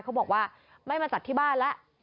เขาบอกว่าไม่มาจัดที่บ้านแล้ว